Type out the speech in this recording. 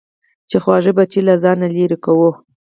چې خواږه بچي له ځانه لېرې کوو.